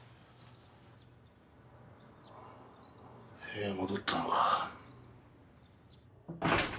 部屋戻ったのか。